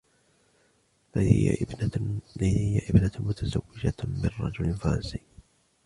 لديُ إبنة متزوجه من رجل فرنسي.